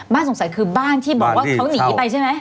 สงสัยคือบ้านที่บอกว่าเขาหนีไปใช่ไหม